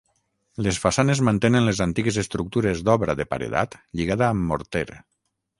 Les façanes mantenen les antigues estructures d'obra de paredat lligada amb morter.